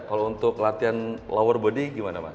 kalau untuk latihan lower body gimana mas